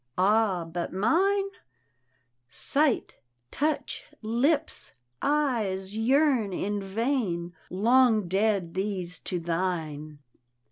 " Ah, but mine ?"" Sight, touch, lips, eyes yeam in vain." " Long dead these to thine.